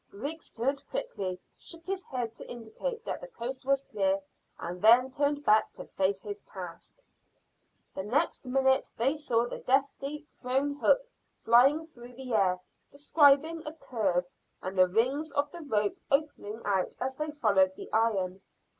Griggs turned quickly, shook his head to indicate that the coast was clear, and then turned back to face his task. The next minute they saw the deftly thrown hook flying through the air, describing a curve, and the rings of the rope opening out as they followed the iron.